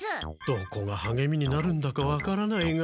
どこがはげみになるんだかわからないが。